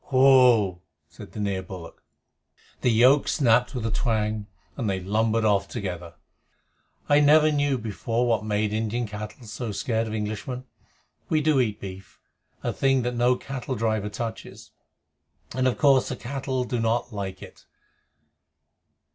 Pull!" said the near bullock. The yoke snapped with a twang, and they lumbered off together. I never knew before what made Indian cattle so scared of Englishmen. We eat beef a thing that no cattle driver touches and of course the cattle do not like it.